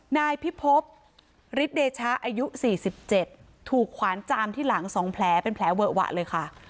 นายพิพบฤทธเดชะอายุ๔๗ถูกขวานจามที่หลัง๒แผลเป็นแผลเวอะหวะเลยค่ะ